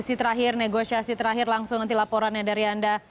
informasi terakhir negosiasi terakhir langsung nanti laporannya dari anda